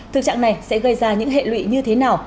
thực trạng này sẽ gây ra những hệ lụy như thế nào